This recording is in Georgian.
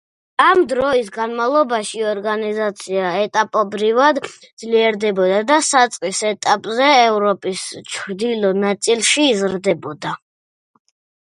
ამ დროის განმავლობაში ორგანიზაცია ეტაპობრივად ძლიერდებოდა და საწყის ეტაპზე ევროპის ჩრდილო ნაწილში იზრდებოდა.